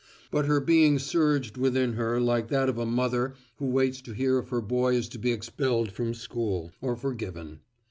But her being surged within her like that of a mother who waits to hear if her boy is to be expelled from school or forgiven.